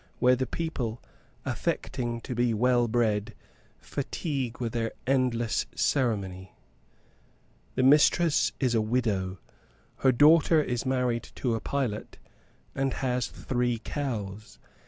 where the people, affecting to be well bred, fatigue with their endless ceremony. The mistress is a widow, her daughter is married to a pilot, and has three cows.